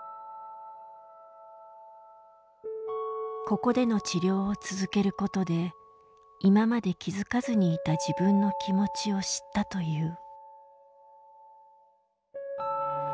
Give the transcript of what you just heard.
ここでの治療を続けることで今まで気付かずにいた自分の気持ちを知ったという。